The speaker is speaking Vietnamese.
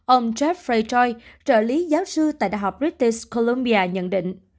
ông geoffrey choi trợ lý giáo sư tại đh british columbia nhận định